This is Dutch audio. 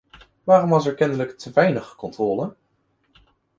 Waarom was er kennelijk te weinig controle?